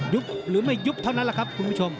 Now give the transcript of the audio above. หรือไม่ยุบเท่านั้นแหละครับคุณผู้ชม